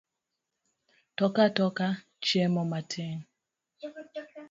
Tok atoka chiemo matin